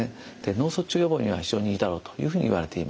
脳卒中予防には非常にいいだろうというふうに言われています。